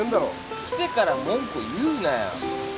来てから文句を言うなよ。